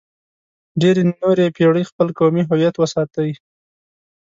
ډېرې نورې پېړۍ خپل قومي هویت وساتئ.